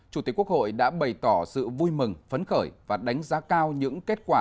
chủ tịch quốc hội đã bày tỏ sự vui mừng phấn khởi và đánh giá cao những kết quả